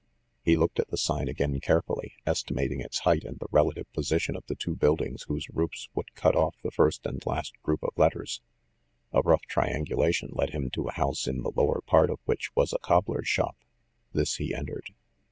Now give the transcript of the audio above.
He looked at the sign again carefully, estimating its height and the relative position of the two buildings whose roofs would cut off the first and last group of letters. A rough triangulation led him to a house in the lower part of which was a cobbler's shop. This he entered.